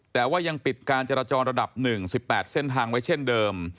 แต่ว่ายังปิดการจราจรระดับ๑๑๘เส้นทางไว้เช่นเดิม